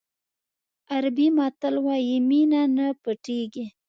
عربي متل وایي مینه نه پټېږي.